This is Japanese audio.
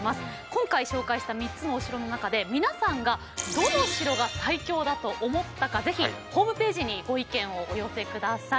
今回紹介した３つのお城の中で皆さんがどの城が最強だと思ったか是非ホームページにご意見をお寄せ下さい。